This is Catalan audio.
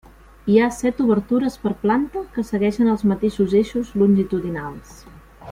Hi ha set obertures per planta que segueixen els mateixos eixos longitudinals.